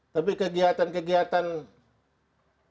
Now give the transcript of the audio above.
tapi kegiatan kegiatan pertumbuhan ekonomi